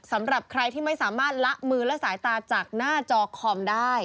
สำหรับใครที่ไม่สามารถละมือและสายตาจากหน้าจอคอมได้